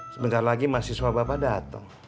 sebentar lagi mahasiswa bapak datang